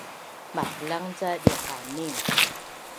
Maklang ca diqanin